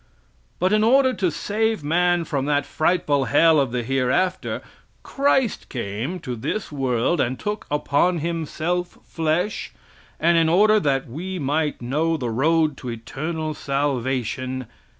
But, in order to save man from that frightful hell of the hereafter, Christ came to this world and took upon himself flesh, and in order that we might know the road to eternal salvation.